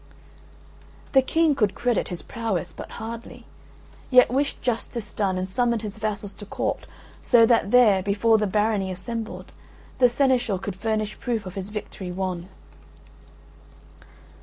The King could credit his prowess but hardly, yet wished justice done and summoned his vassals to court, so that there, before the Barony assembled, the seneschal should furnish proof of his victory won.